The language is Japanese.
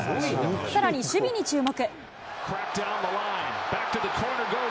さらに守備に注目。